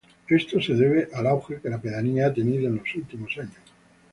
Esto se debe al auge que la pedanía ha tenido en los últimos años.